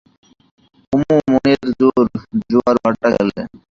কুমু, মনের মধ্যে জোয়ার-ভাঁটা খেলে।